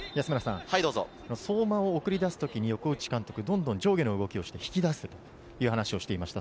相馬を送り出すときに横内監督、どんどん上下の動きを引き出せと話していました。